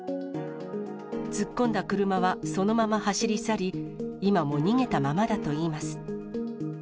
突っ込んだ車はそのまま走り去り、今も逃げたままだといいます。